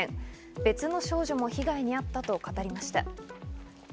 別の少女も被害にあったと語りました。